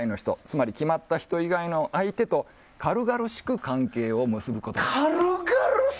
つまり決まった人以外との相手と軽々しく関係を結ぶこと。